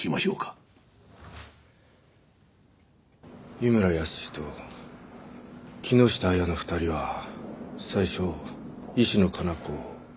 井村泰と木下亜矢の２人は最初石野香奈子を脅迫したらしい。